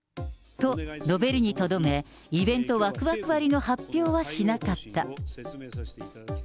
と、述べるにとどめ、イベントワクワク割の発表はしなかった。